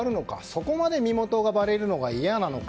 そこまで身元がばれるのが嫌なのか。